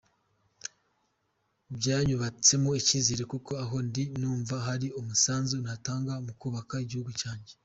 Byanyubatsemo icyizere kuko aho ndi numva hari umusanzu natanga mu kubaka igihugu cyanjye.